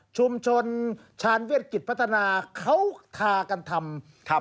ชุมชนชาญเวียดกิจพัฒนาเขาทากันทำครับ